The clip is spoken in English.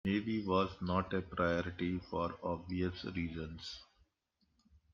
The navy was not a priority for obvious reasons.